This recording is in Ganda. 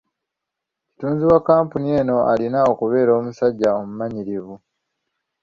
Kitunzi wa kkampuni eno alina okubeera omusajja omumanyirivu.